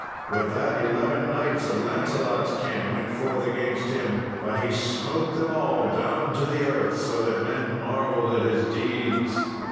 With that eleven knights of Lancelot's kin went forth against him, but he smote them all down to the earth, so that men marvelled at his deeds.